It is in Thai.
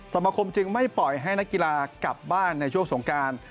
สมคมจึงไม่ปล่อยให้นักกีฬากลับบ้านในช่วงสงการ